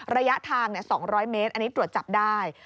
ระยะทาง๒๐๐เมตรอันนี้ตรวจจับได้